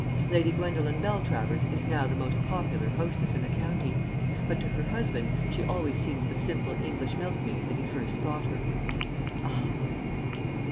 Lady Gwendolen Beltravers is now the most popular hostess in the county; but to her husband she always seems the simple English milkmaid that he first thought her. Ah!